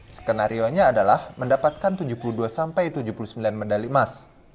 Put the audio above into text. skenario nya adalah mendapatkan tujuh puluh dua sampai tujuh puluh sembilan medali emas